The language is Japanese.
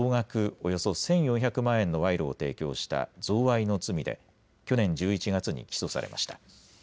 およそ１４００万円の賄賂を提供した贈賄の罪で去年１１月に起訴されました。